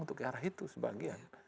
untuk ke arah itu sebagian